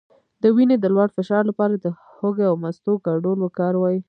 د وینې د لوړ فشار لپاره د هوږې او مستو ګډول وکاروئ